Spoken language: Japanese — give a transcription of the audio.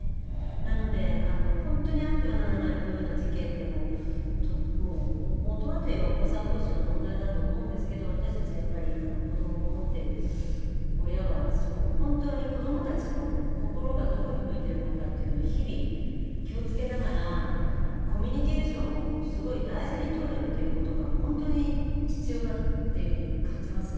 なので、本当にあってはならないこういうような事件ってもう、元はといえばお子さんどうしの問題だと思うんですけど、私たちやっぱり、子どもを持ってる親は、本当に子どもたちの心がどこに向いているのかっていうのを、日々、気をつけながら、コミュニケーションもすごい大事に取るっていうことが、本当に必要だっていうふうに感じますね。